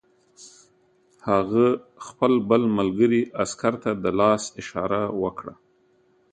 هغه خپل بل ملګري عسکر ته د لاس اشاره وکړه